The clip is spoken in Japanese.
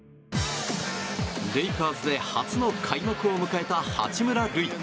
レイカーズで初の開幕を迎えた八村塁。